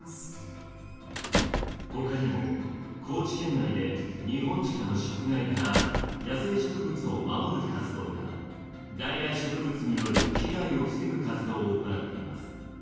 ほかにも高知県内でニホンジカの食害から野生植物を守る活動や外来植物による被害を防ぐ活動を行っています。